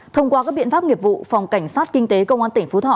thông qua các biện pháp nghiệp vụ phòng cảnh sát kinh tế công an tỉnh phú thọ